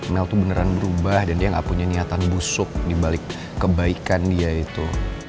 mel tuh beneran berubah dan dia gak punya niatan busuk dibalik kebaikan dia itu